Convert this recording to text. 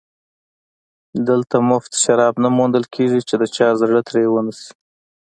دلته مفت شراب نه موندل کېږي چې د چا زړه ترې ونشي